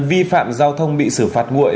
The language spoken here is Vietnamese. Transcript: vi phạm giao thông bị xử phạt nguội